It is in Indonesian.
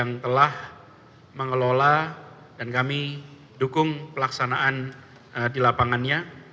yang telah mengelola dan kami dukung pelaksanaan di lapangannya